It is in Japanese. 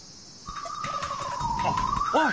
あっおい！